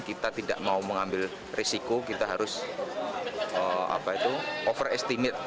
kita tidak mau mengambil risiko kita harus overestimate